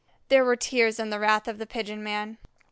There were tears in the wrath of the pigeon man.